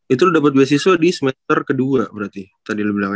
itu lu dapet beasiswa di semester kedua berarti tadi lu bilang ya